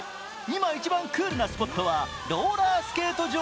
今、一番クールなスポットはローラースケート場？